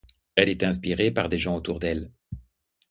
Elle est inspirée par des gens autour d’elle.